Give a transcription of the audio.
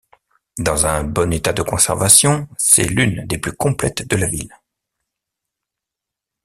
Dans un bon état de conservation, c'est l'une des plus complètes de la ville.